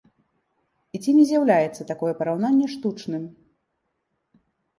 І ці не з'яўляецца такое параўнанне штучным?